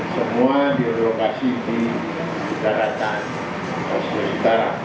semua direlokasi di daratan sulawesi utara